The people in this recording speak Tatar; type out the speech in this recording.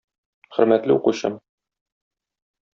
Хөрмәтле укучым!